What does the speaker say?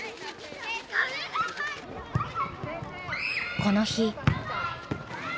この日。